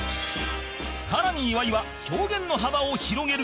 更に岩井は表現の幅を広げる